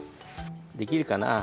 できるかな？